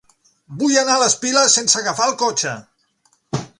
Vull anar a les Piles sense agafar el cotxe.